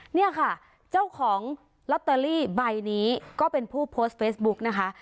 เนี่ยค่ะเจ้าของลอตเตอรี่ใบนี้ก็เป็นผู้โพสต์เฟซบุ๊กนะคะ